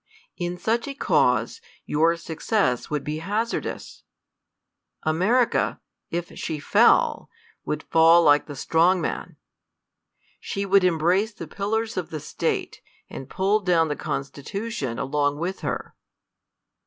In such a cause, your success would be hazardous. America, if she fell, would fall like the strong man. She would embrace the pillars of the State, and pull down the constitution along with her.